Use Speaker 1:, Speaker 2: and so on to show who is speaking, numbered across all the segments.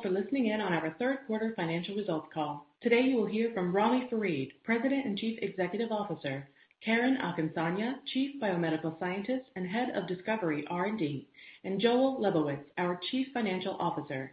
Speaker 1: Thank you all for listening in on our Third Quarter Financial Results Call. Today, you will hear from Ramy Farid, President and Chief Executive Officer, Karen Akinsanya, Chief Biomedical Scientist and Head of Discovery R&D, and Joel Lebowitz, our Chief Financial Officer.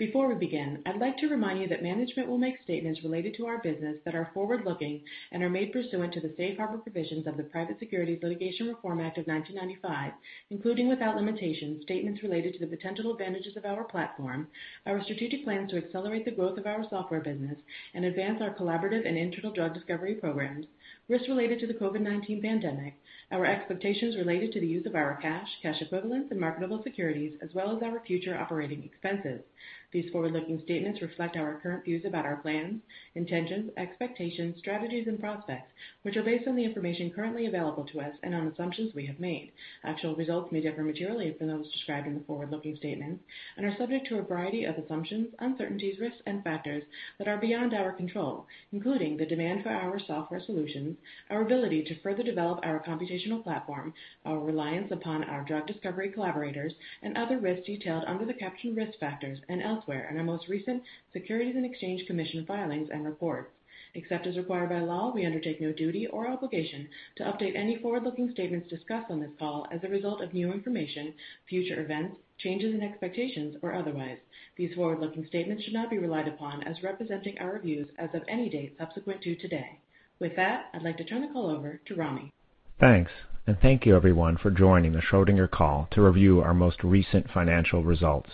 Speaker 1: Before we begin, I'd like to remind you that management will make statements related to our business that are forward-looking and are made pursuant to the safe harbor provisions of the Private Securities Litigation Reform Act of 1995, including, without limitation, statements related to the potential advantages of our platform, our strategic plans to accelerate the growth of our software business and advance our collaborative and internal drug discovery programs, risks related to the COVID-19 pandemic, our expectations related to the use of our cash equivalents, and marketable securities, as well as our future operating expenses. These forward-looking statements reflect our current views about our plans, intentions, expectations, strategies, and prospects, which are based on the information currently available to us and on assumptions we have made. Actual results may differ materially from those described in the forward-looking statements and are subject to a variety of assumptions, uncertainties, risks, and factors that are beyond our control, including the demand for our software solutions, our ability to further develop our computational platform, our reliance upon our drug discovery collaborators, and other risks detailed under the caption Risk Factors and elsewhere in our most recent Securities and Exchange Commission filings and reports. Except as required by law, we undertake no duty or obligation to update any forward-looking statements discussed on this call as a result of new information, future events, changes in expectations, or otherwise. These forward-looking statements should not be relied upon as representing our views as of any date subsequent to today. With that, I'd like to turn the call over to Ramy.
Speaker 2: Thanks. Thank you, everyone, for joining the Schrödinger call to review our most recent financial results.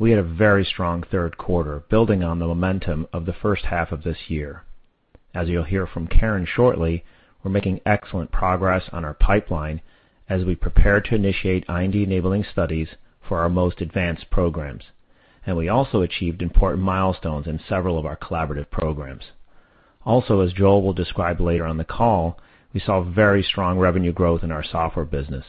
Speaker 2: We had a very strong third quarter building on the momentum of the first half of this year. As you'll hear from Karen shortly, we're making excellent progress on our pipeline as we prepare to initiate IND-enabling studies for our most advanced programs. We also achieved important milestones in several of our collaborative programs. As Joel will describe later on the call, we saw very strong revenue growth in our software business.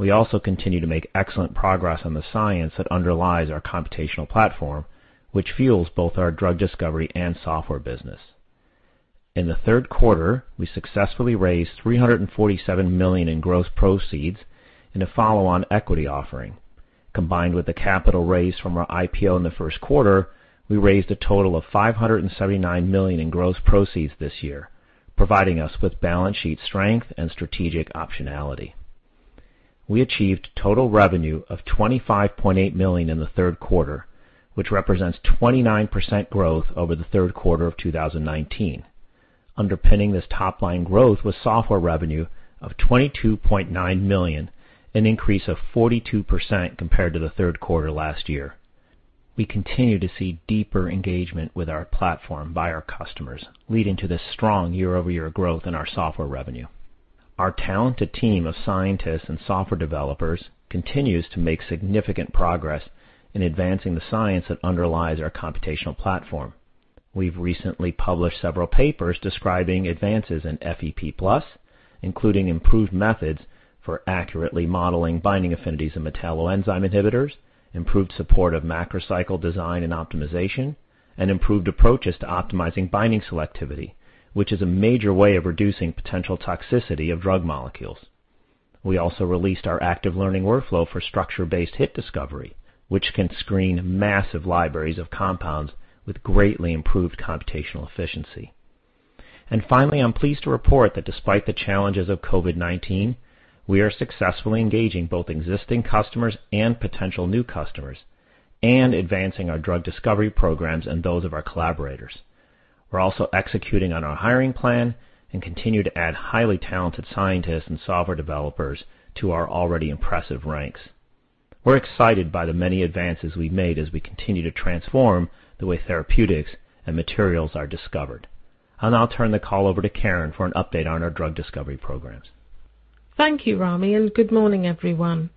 Speaker 2: We continue to make excellent progress on the science that underlies our computational platform, which fuels both our drug discovery and software business. In the third quarter, we successfully raised $347 million in gross proceeds in a follow-on equity offering. Combined with the capital raise from our IPO in the first quarter, we raised a total of $579 million in gross proceeds this year, providing us with balance sheet strength and strategic optionality. We achieved total revenue of $25.8 million in the third quarter, which represents 29% growth over the third quarter of 2019. Underpinning this top-line growth was software revenue of $22.9 million, an increase of 42% compared to the third quarter last year. We continue to see deeper engagement with our platform by our customers, leading to this strong year-over-year growth in our software revenue. Our talented team of scientists and software developers continues to make significant progress in advancing the science that underlies our computational platform. We've recently published several papers describing advances in FEP+, including improved methods for accurately modeling binding affinities of metalloenzyme inhibitors, improved support of macrocycle design and optimization, and improved approaches to optimizing binding selectivity, which is a major way of reducing potential toxicity of drug molecules. We also released our active learning workflow for structure-based hit discovery, which can screen massive libraries of compounds with greatly improved computational efficiency. Finally, I'm pleased to report that despite the challenges of COVID-19, we are successfully engaging both existing customers and potential new customers and advancing our drug discovery programs and those of our collaborators. We're also executing on our hiring plan and continue to add highly talented scientists and software developers to our already impressive ranks. We're excited by the many advances we've made as we continue to transform the way therapeutics and materials are discovered. I'll now turn the call over to Karen for an update on our drug discovery programs.
Speaker 3: Thank you, Ramy, and good morning, everyone.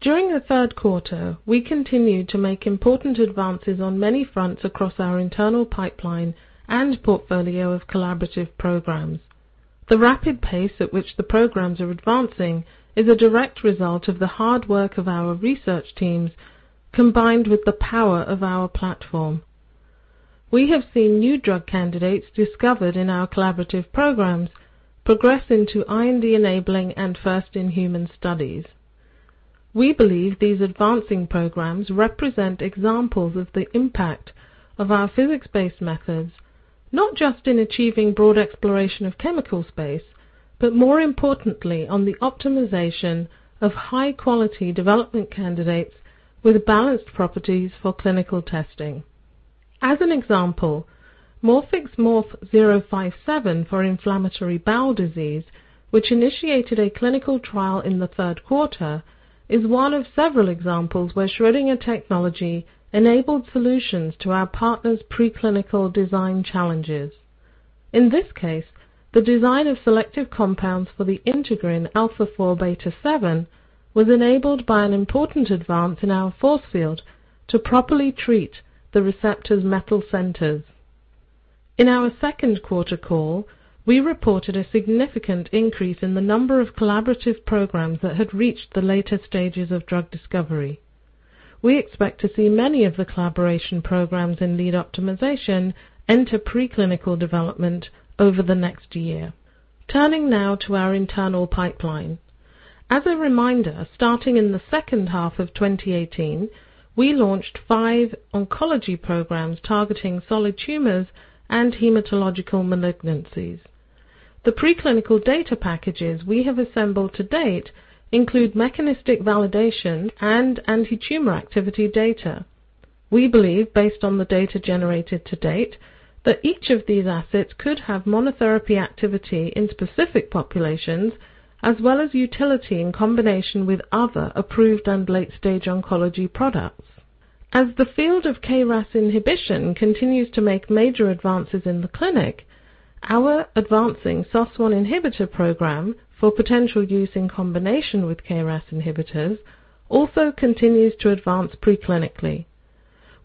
Speaker 3: During the third quarter, we continued to make important advances on many fronts across our internal pipeline and portfolio of collaborative programs. The rapid pace at which the programs are advancing is a direct result of the hard work of our research teams, combined with the power of our platform. We have seen new drug candidates discovered in our collaborative programs progress into IND-enabling and first-in-human studies. We believe these advancing programs represent examples of the impact of our physics-based methods, not just in achieving broad exploration of chemical space, but more importantly, on the optimization of high-quality development candidates with balanced properties for clinical testing. As an example, Morphic's MORF-057 for inflammatory bowel disease, which initiated a clinical trial in the third quarter, is one of several examples where Schrödinger technology enabled solutions to our partner's preclinical design challenges. In this case, the design of selective compounds for the integrin α4β7 was enabled by an important advance in our force field to properly treat the receptor's metal centers. In our second quarter call, we reported a significant increase in the number of collaborative programs that had reached the later stages of drug discovery. We expect to see many of the collaboration programs in lead optimization enter preclinical development over the next year. Turning now to our internal pipeline. As a reminder, starting in the second half of 2018, we launched five oncology programs targeting solid tumors and hematological malignancies. The preclinical data packages we have assembled to date include mechanistic validation and anti-tumor activity data. We believe, based on the data generated to date, that each of these assets could have monotherapy activity in specific populations, as well as utility in combination with other approved and late-stage oncology products. As the field of KRAS inhibition continues to make major advances in the clinic, our advancing SOS1 inhibitor program for potential use in combination with KRAS inhibitors also continues to advance preclinically.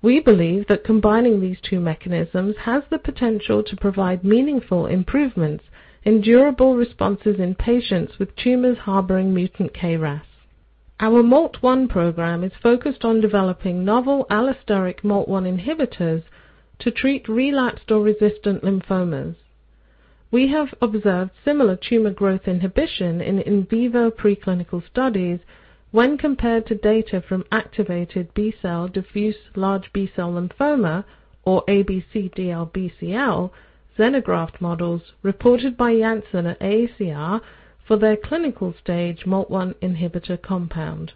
Speaker 3: We believe that combining these two mechanisms has the potential to provide meaningful improvements in durable responses in patients with tumors harboring mutant KRAS. Our MALT1 program is focused on developing novel allosteric MALT1 inhibitors to treat relapsed or resistant lymphomas. We have observed similar tumor growth inhibition in in vivo preclinical studies when compared to data from activated B-cell diffuse large B-cell lymphoma, or ABC-DLBCL, xenograft models reported by Janssen at AACR for their clinical stage MALT1 inhibitor compound.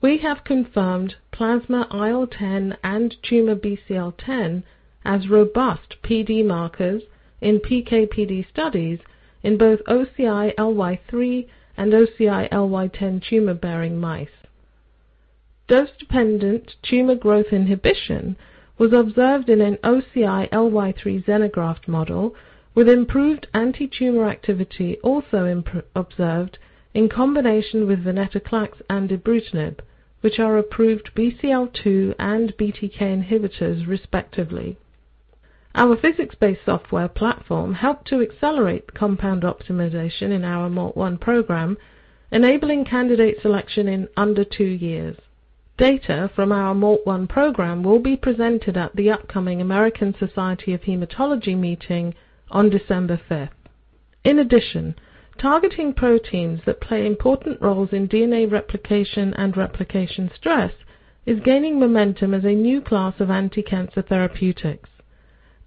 Speaker 3: We have confirmed plasma IL-10 and tumor BCL10 as robust PD markers in PK/PD studies in both OCI-Ly3 and OCI-Ly10 tumor-bearing mice. Dose-dependent tumor growth inhibition was observed in an OCI-Ly3 xenograft model, with improved anti-tumor activity also observed in combination with venetoclax and ibrutinib, which are approved BCL-2 and BTK inhibitors respectively. Our physics-based software platform helped to accelerate compound optimization in our MALT1 program, enabling candidate selection in under two years. Data from our MALT1 program will be presented at the upcoming American Society of Hematology meeting on December 5th. In addition, targeting proteins that play important roles in DNA replication and replication stress is gaining momentum as a new class of anticancer therapeutics.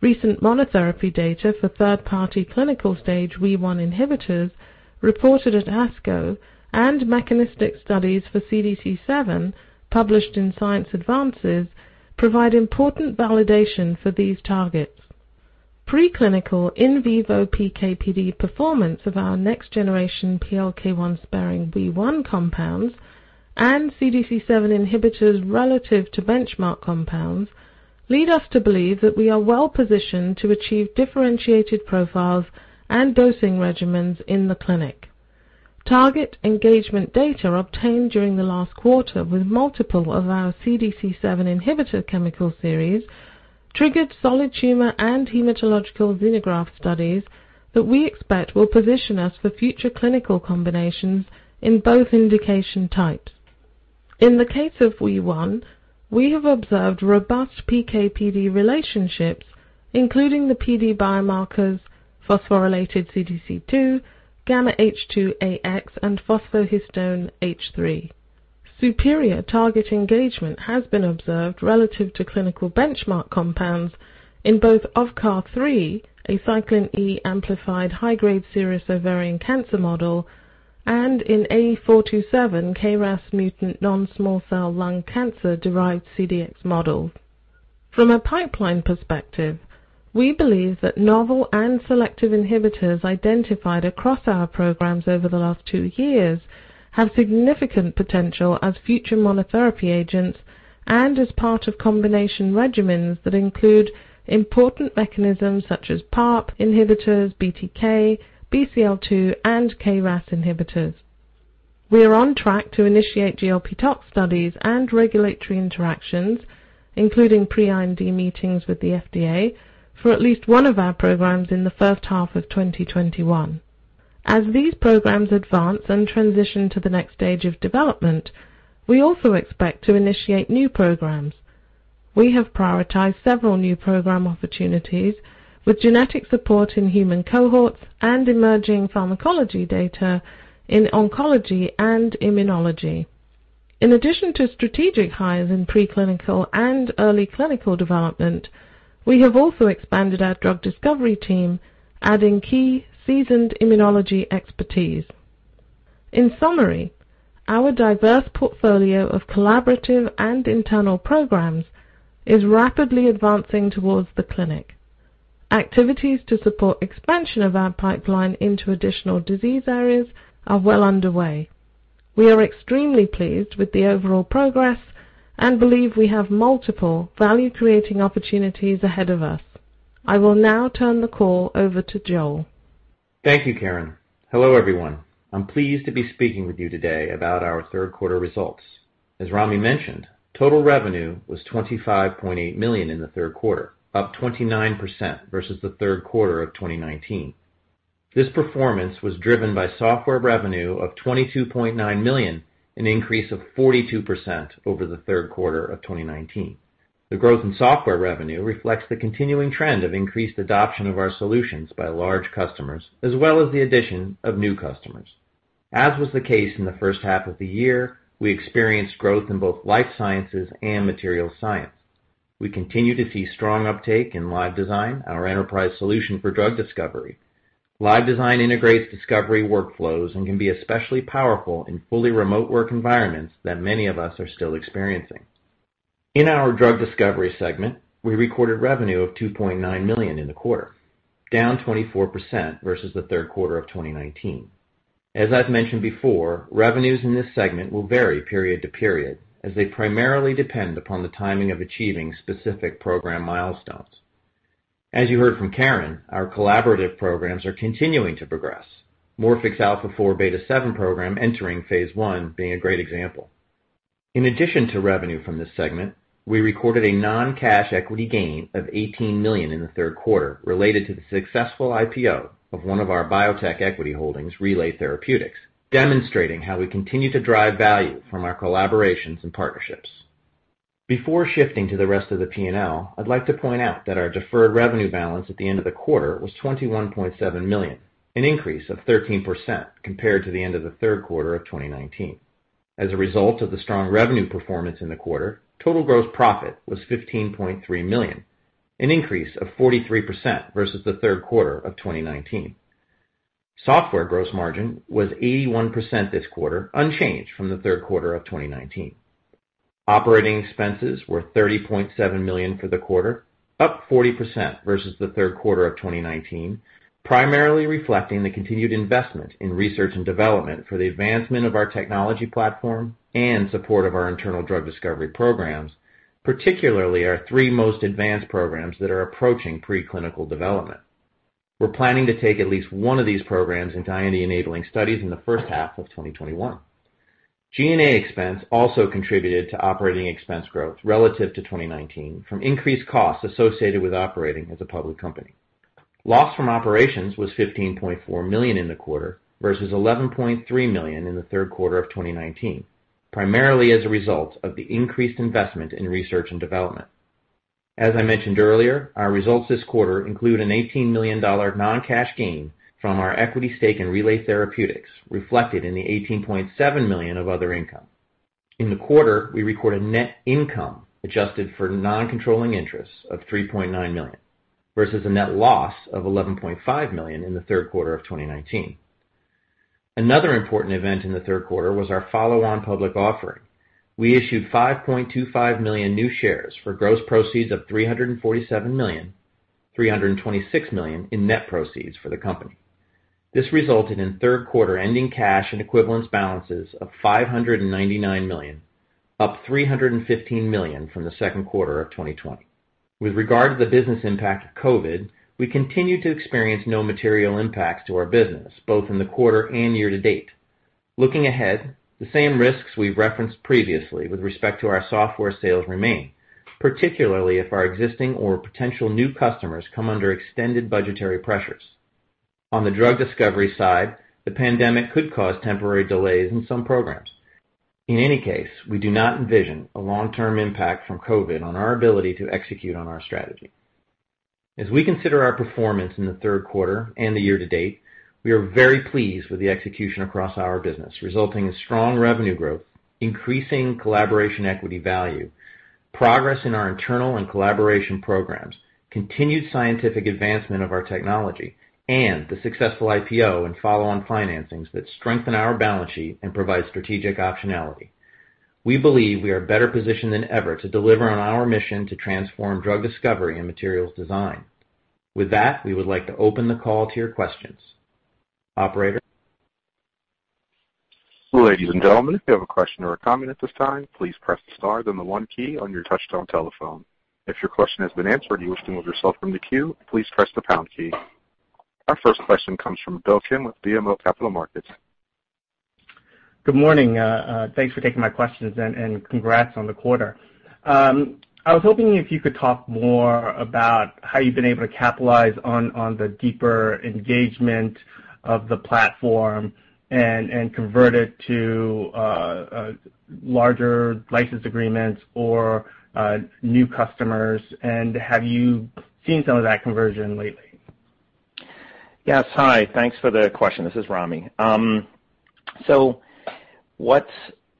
Speaker 3: Recent monotherapy data for third-party clinical stage Wee1 inhibitors reported at ASCO and mechanistic studies for CDC7, published in Science Advances, provide important validation for these targets. Preclinical in vivo PK/PD performance of our next-generation PLK1-sparing Wee1 compounds and CDC7 inhibitors relative to benchmark compounds lead us to believe that we are well-positioned to achieve differentiated profiles and dosing regimens in the clinic. Target engagement data obtained during the last quarter with multiple of our CDC7 inhibitor chemical series triggered solid tumor and hematological xenograft studies that we expect will position us for future clinical combinations in both indication types. In the case of Wee1, we have observed robust PK/PD relationships, including the PD biomarkers phosphorylated CDC2, γH2AX, and phospho-histone H3. Superior target engagement has been observed relative to clinical benchmark compounds in both OVCAR-3, a Cyclin E-amplified high-grade serous ovarian cancer model, and in A427 KRAS mutant non-small cell lung cancer-derived CDX model. From a pipeline perspective, we believe that novel and selective inhibitors identified across our programs over the last two years have significant potential as future monotherapy agents and as part of combination regimens that include important mechanisms such as PARP inhibitors, BTK, BCL-2, and KRAS inhibitors. We are on track to initiate GLP tox studies and regulatory interactions, including pre-IND meetings with the FDA, for at least one of our programs in the first half of 2021. As these programs advance and transition to the next stage of development, we also expect to initiate new programs. We have prioritized several new program opportunities with genetic support in human cohorts and emerging pharmacology data in oncology and immunology. In addition to strategic hires in preclinical and early clinical development, we have also expanded our drug discovery team, adding key seasoned immunology expertise. In summary, our diverse portfolio of collaborative and internal programs is rapidly advancing towards the clinic. Activities to support expansion of our pipeline into additional disease areas are well underway. We are extremely pleased with the overall progress and believe we have multiple value-creating opportunities ahead of us. I will now turn the call over to Joel.
Speaker 4: Thank you, Karen. Hello, everyone. I'm pleased to be speaking with you today about our third quarter results. As Ramy mentioned, total revenue was $25.8 million in the third quarter, up 29% versus the third quarter of 2019. This performance was driven by software revenue of $22.9 million, an increase of 42% over the third quarter of 2019. The growth in software revenue reflects the continuing trend of increased adoption of our solutions by large customers, as well as the addition of new customers. As was the case in the first half of the year, we experienced growth in both life sciences and materials science. We continue to see strong uptake in LiveDesign, our enterprise solution for drug discovery. LiveDesign integrates discovery workflows and can be especially powerful in fully remote work environments that many of us are still experiencing. In our drug discovery segment, we recorded revenue of $2.9 million in the quarter, down 24% versus the third quarter of 2019. As I've mentioned before, revenues in this segment will vary period to period as they primarily depend upon the timing of achieving specific program milestones. As you heard from Karen, our collaborative programs are continuing to progress. Morphic Therapeutic's α4β7 program entering phase I being a great example. In addition to revenue from this segment, we recorded a non-cash equity gain of $18 million in the third quarter related to the successful IPO of one of our biotech equity holdings, Relay Therapeutics, demonstrating how we continue to drive value from our collaborations and partnerships. Before shifting to the rest of the P&L, I'd like to point out that our deferred revenue balance at the end of the quarter was $21.7 million, an increase of 13% compared to the end of the third quarter of 2019. As a result of the strong revenue performance in the quarter, total gross profit was $15.3 million, an increase of 43% versus the third quarter of 2019. Software gross margin was 81% this quarter, unchanged from the third quarter of 2019. Operating expenses were $30.7 million for the quarter, up 40% versus the third quarter of 2019, primarily reflecting the continued investment in research and development for the advancement of our technology platform and support of our internal drug discovery programs, particularly our three most advanced programs that are approaching preclinical development. We're planning to take at least one of these programs into IND-enabling studies in the first half of 2021. G&A expense also contributed to operating expense growth relative to 2019 from increased costs associated with operating as a public company. Loss from operations was $15.4 million in the quarter versus $11.3 million in the third quarter of 2019, primarily as a result of the increased investment in research and development. As I mentioned earlier, our results this quarter include an $18 million non-cash gain from our equity stake in Relay Therapeutics, reflected in the $18.7 million of other income. In the quarter, we recorded net income adjusted for non-controlling interests of $3.9 million, versus a net loss of $11.5 million in the third quarter of 2019. Another important event in the third quarter was our follow-on public offering. We issued 5.25 million new shares for gross proceeds of $347 million, $326 million in net proceeds for the company. This resulted in third-quarter ending cash and equivalents balances of $599 million, up $315 million from the second quarter of 2020. With regard to the business impact of COVID, we continue to experience no material impacts to our business, both in the quarter and year to date. Looking ahead, the same risks we've referenced previously with respect to our software sales remain, particularly if our existing or potential new customers come under extended budgetary pressures. On the drug discovery side, the pandemic could cause temporary delays in some programs. In any case, we do not envision a long-term impact from COVID on our ability to execute on our strategy. As we consider our performance in the third quarter and the year to date, we are very pleased with the execution across our business, resulting in strong revenue growth, increasing collaboration equity value, progress in our internal and collaboration programs, continued scientific advancement of our technology, and the successful IPO and follow-on financings that strengthen our balance sheet and provide strategic optionality. We believe we are better positioned than ever to deliver on our mission to transform drug discovery and materials design. With that, we would like to open the call to your questions. Operator?
Speaker 1: Ladies and gentlemen if you have a question or a comment at this time please press the star then the one key on your touchtone telephone. If your question has been answered and you wish to remove yourself from the queue, please press the pound key. Our first question comes from Do Kim with BMO Capital Markets.
Speaker 5: Good morning. Thanks for taking my questions and congrats on the quarter. I was hoping if you could talk more about how you've been able to capitalize on the deeper engagement of the platform and convert it to larger license agreements or new customers, and have you seen some of that conversion lately?
Speaker 2: Yes. Hi. Thanks for the question. This is Ramy. What's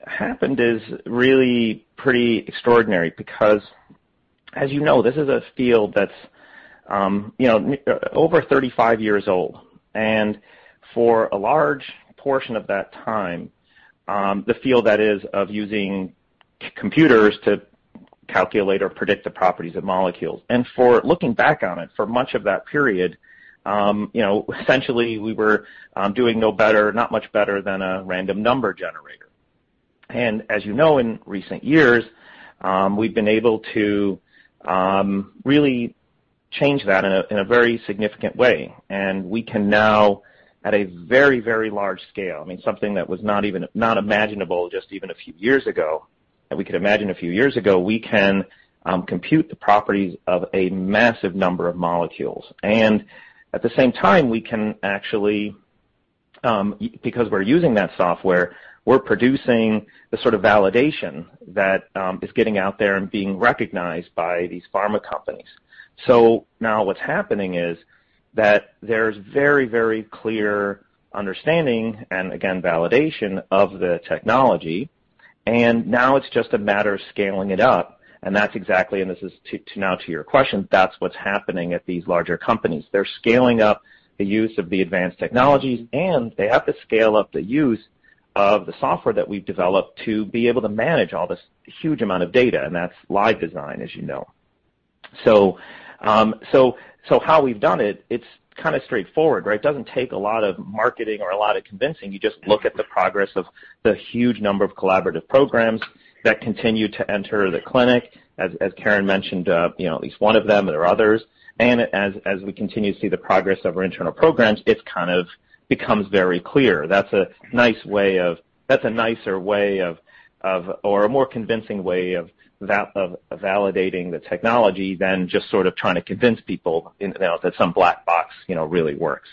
Speaker 2: happened is really pretty extraordinary because, as you know, this is a field that's over 35 years old, and for a large portion of that time, the field that is of using computers to calculate or predict the properties of molecules. For looking back on it, for much of that period, essentially we were doing no better, not much better than a random number generator. As you know, in recent years, we've been able to really change that in a very significant way. We can now, at a very, very large scale, I mean something that was not imaginable just even a few years ago, we can compute the properties of a massive number of molecules. At the same time, we can actually. We're using that software, we're producing the sort of validation that is getting out there and being recognized by these pharma companies. Now what's happening is that there's very clear understanding and, again, validation of the technology, and now it's just a matter of scaling it up. That's exactly, and this is now to your question, that's what's happening at these larger companies. They're scaling up the use of the advanced technologies, and they have to scale up the use of the software that we've developed to be able to manage all this huge amount of data, and that's LiveDesign, as you know. How we've done it's kind of straightforward, right? It doesn't take a lot of marketing or a lot of convincing. You just look at the progress of the huge number of collaborative programs that continue to enter the clinic. As Karen mentioned at least one of them. There are others. As we continue to see the progress of our internal programs, it kind of becomes very clear. That's a nicer way of, or a more convincing way of validating the technology than just sort of trying to convince people that some black box really works.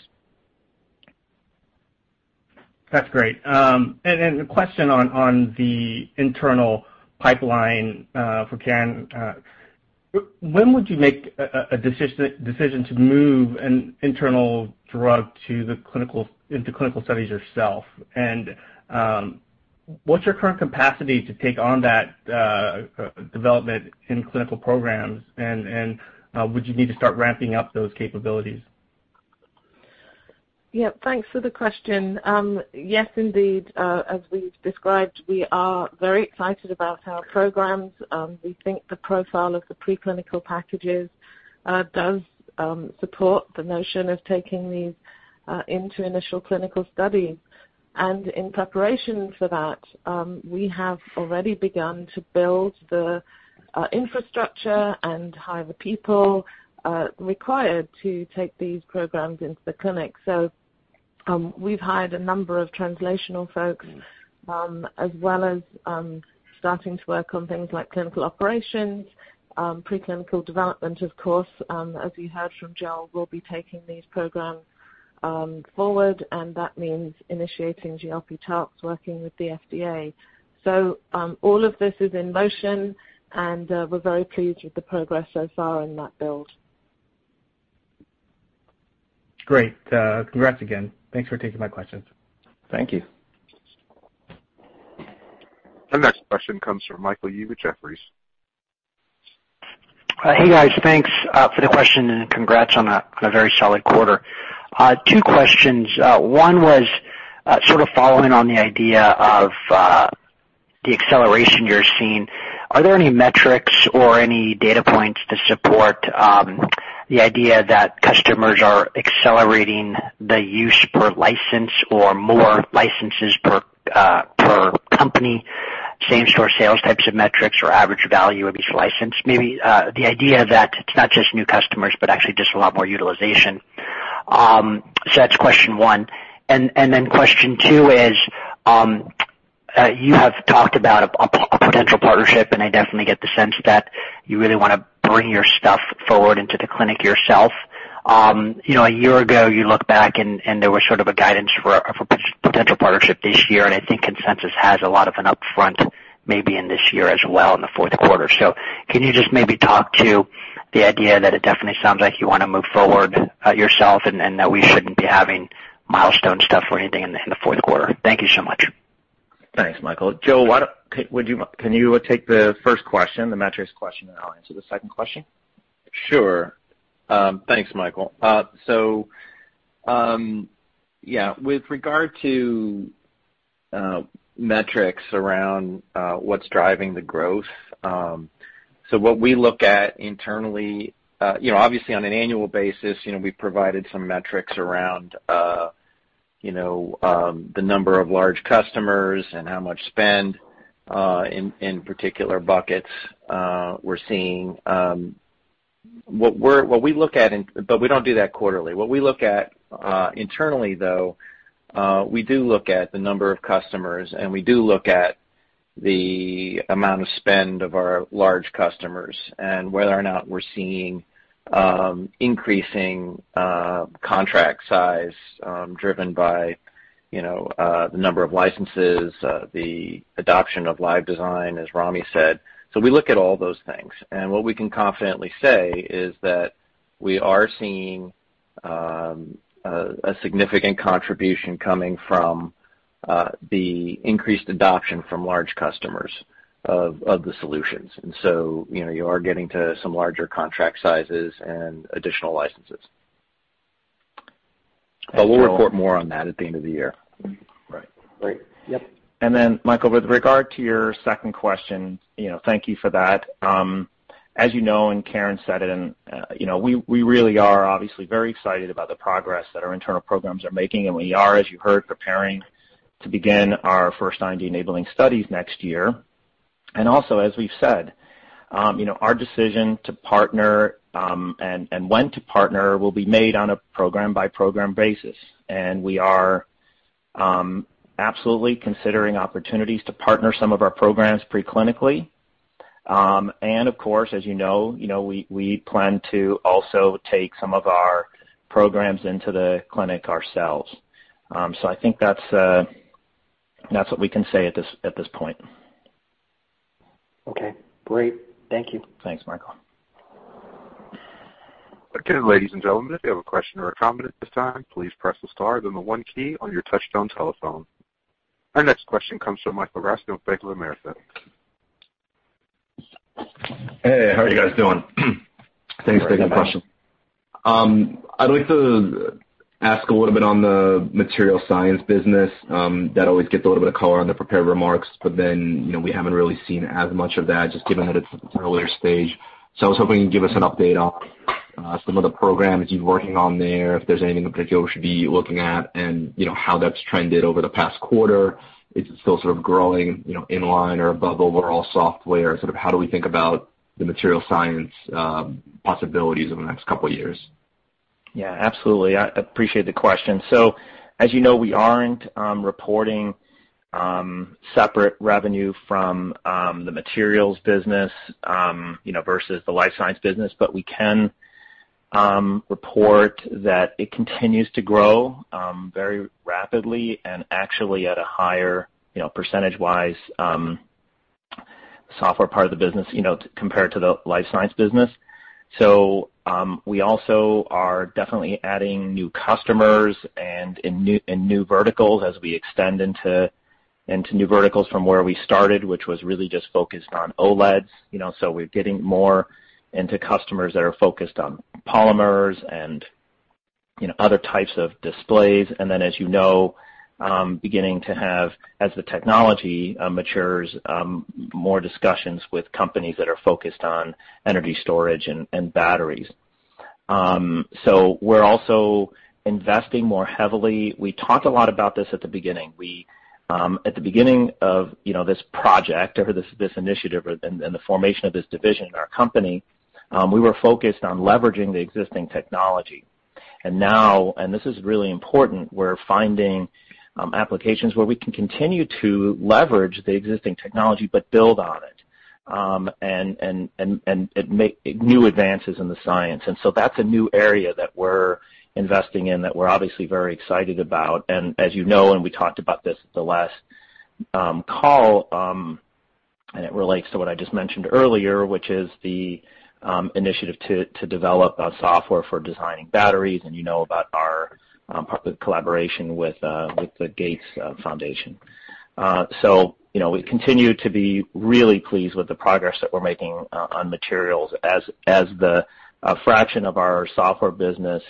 Speaker 5: That's great. A question on the internal pipeline for Karen. When would you make a decision to move an internal drug into clinical studies yourself? What's your current capacity to take on that development in clinical programs? Would you need to start ramping up those capabilities?
Speaker 3: Thanks for the question. Yes, indeed, as we've described, we are very excited about our programs. We think the profile of the preclinical packages does support the notion of taking these into initial clinical studies. In preparation for that, we have already begun to build the infrastructure and hire the people required to take these programs into the clinic. We've hired a number of translational folks, as well as starting to work on things like clinical operations, preclinical development, of course, as you heard from Joel, we'll be taking these programs forward, and that means initiating GLP tox, working with the FDA. All of this is in motion and we're very pleased with the progress so far in that build.
Speaker 5: Great. Congrats again. Thanks for taking my questions.
Speaker 2: Thank you.
Speaker 1: The next question comes from Michael Yee with Jefferies.
Speaker 6: Hey, guys. Thanks for the question and congrats on a very solid quarter. Two questions. One was sort of following on the idea of the acceleration you're seeing. Are there any metrics or any data points to support the idea that customers are accelerating the use per license or more licenses per company, same-store sales types of metrics or average value of each license? Maybe the idea that it's not just new customers, but actually just a lot more utilization. That's question one. Question two is, you have talked about a potential partnership, and I definitely get the sense that you really want to bring your stuff forward into the clinic yourself. A year ago, you look back and there was sort of a guidance for a potential partnership this year, and I think consensus has a lot of an upfront maybe in this year as well in the fourth quarter. Can you just maybe talk to the idea that it definitely sounds like you want to move forward yourself and that we shouldn't be having milestone stuff or anything in the fourth quarter. Thank you so much.
Speaker 2: Thanks, Michael. Joel, can you take the first question, the metrics question, and I'll answer the second question?
Speaker 4: Sure. Thanks, Michael. With regard to metrics around what's driving the growth. What we look at internally, obviously on an annual basis, we provided some metrics around the number of large customers and how much spend in particular buckets we're seeing. We don't do that quarterly. What we look at internally, though, we do look at the number of customers and we do look at the amount of spend of our large customers and whether or not we're seeing increasing contract size driven by the number of licenses, the adoption of LiveDesign, as Ramy said. We look at all those things. What we can confidently say is that we are seeing a significant contribution coming from the increased adoption from large customers of the solutions. You are getting to some larger contract sizes and additional licenses. We'll report more on that at the end of the year.
Speaker 2: Right.
Speaker 6: Great. Yep.
Speaker 2: Then Michael, with regard to your second question, thank you for that. As you know, Karen said it, we really are obviously very excited about the progress that our internal programs are making. We are, as you heard, preparing to begin our first IND-enabling studies next year. Also, as we've said, our decision to partner and when to partner will be made on a program-by-program basis. We are absolutely considering opportunities to partner some of our programs preclinically. Of course, as you know, we plan to also take some of our programs into the clinic ourselves. I think that's what we can say at this point.
Speaker 6: Okay, great. Thank you.
Speaker 2: Thanks, Michael.
Speaker 1: Again, ladies and gentlemen, if you have a question or a comment at this time, please press the star, then the one key on your touchtone telephone. Our next question comes from Michael Ryskin with Bank of America.
Speaker 7: Hey, how are you guys doing? Thanks for taking my question.
Speaker 2: Hi, Michael.
Speaker 7: I'd like to ask a little bit on the material science business. That always gets a little bit of color on the prepared remarks, but then, we haven't really seen as much of that, just given that it's an earlier stage. I was hoping you'd give us an update on some of the programs you're working on there, if there's anything in particular we should be looking at, and how that's trended over the past quarter. Is it still sort of growing in line or above overall software? Sort of, how do we think about the material science possibilities over the next couple of years?
Speaker 2: Yeah, absolutely. I appreciate the question. As you know, we aren't reporting separate revenue from the materials business versus the life science business. We can report that it continues to grow very rapidly and actually at a higher percentage-wise software part of the business compared to the life science business. We also are definitely adding new customers and in new verticals as we extend into new verticals from where we started, which was really just focused on OLEDs. We're getting more into customers that are focused on polymers and other types of displays. Then, as you know, beginning to have, as the technology matures, more discussions with companies that are focused on energy storage and batteries. We're also investing more heavily. We talked a lot about this at the beginning. At the beginning of this project or this initiative and the formation of this division in our company, we were focused on leveraging the existing technology. Now, this is really important, we're finding applications where we can continue to leverage the existing technology but build on it, make new advances in the science. That's a new area that we're investing in that we're obviously very excited about. As you know, we talked about this at the last call, it relates to what I just mentioned earlier, which is the initiative to develop a software for designing batteries, you know about our public collaboration with the Gates Foundation. We continue to be really pleased with the progress that we're making on materials as the fraction of our software business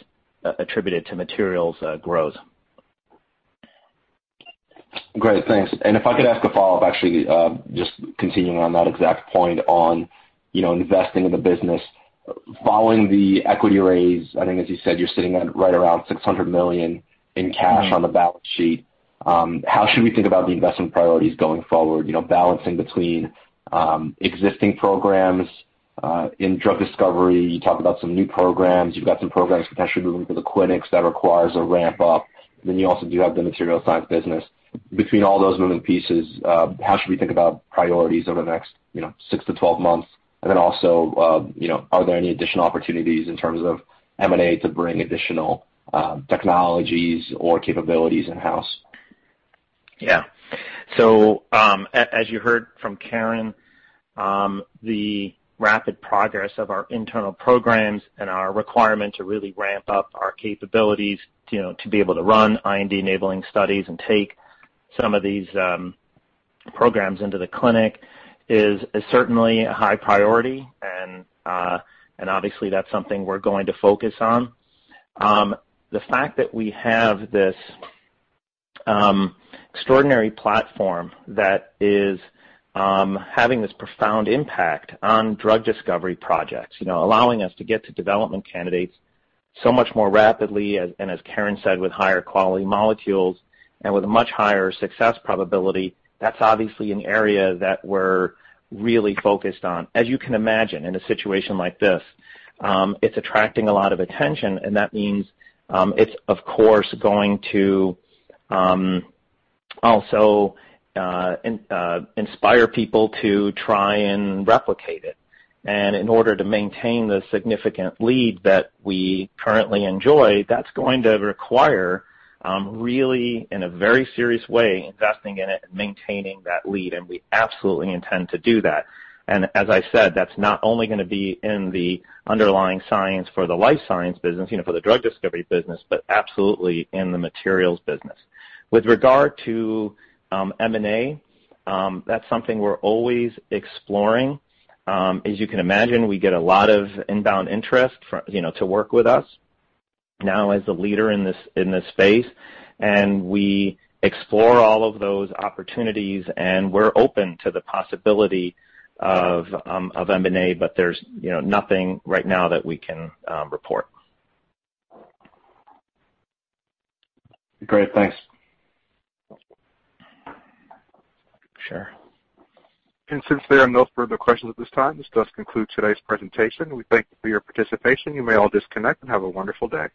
Speaker 2: attributed to materials grows.
Speaker 7: Great, thanks. If I could ask a follow-up, actually, just continuing on that exact point on investing in the business. Following the equity raise, I think as you said, you're sitting at right around $600 million in cash on the balance sheet. How should we think about the investment priorities going forward, balancing between existing programs in drug discovery? You talked about some new programs. You've got some programs potentially moving to the clinics that requires a ramp up. You also do have the material science business. Between all those moving pieces, how should we think about priorities over the next six to 12 months? Also, are there any additional opportunities in terms of M&A to bring additional technologies or capabilities in-house?
Speaker 2: Yeah. As you heard from Karen, the rapid progress of our internal programs and our requirement to really ramp up our capabilities to be able to run IND-enabling studies and take some of these programs into the clinic is certainly a high priority, and obviously, that's something we're going to focus on. The fact that we have this extraordinary platform that is having this profound impact on drug discovery projects, allowing us to get to development candidates so much more rapidly, and as Karen said, with higher quality molecules and with a much higher success probability, that's obviously an area that we're really focused on. As you can imagine, in a situation like this, it's attracting a lot of attention, and that means it's, of course, going to also inspire people to try and replicate it. In order to maintain the significant lead that we currently enjoy, that's going to require really, in a very serious way, investing in it and maintaining that lead, and we absolutely intend to do that. As I said, that's not only going to be in the underlying science for the life science business, for the drug discovery business, but absolutely in the materials business. With regard to M&A, that's something we're always exploring. As you can imagine, we get a lot of inbound interest to work with us now as a leader in this space, and we explore all of those opportunities, and we're open to the possibility of M&A, but there's nothing right now that we can report.
Speaker 7: Great, thanks.
Speaker 2: Sure.
Speaker 1: Since there are no further questions at this time, this does conclude today's presentation. We thank you for your participation. You may all disconnect. Have a wonderful day.